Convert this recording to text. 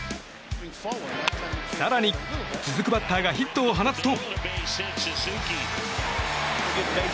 更に続くバッターがヒットを放つと。